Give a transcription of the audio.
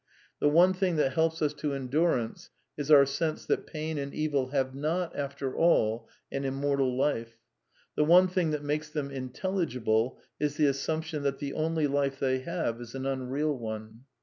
The one thing that helps us to endur ance is our sense that pain and evil have not, after all, an immortal life. The one thing that makes them inteUi gible is the assumption that the only life they have is an unreal one.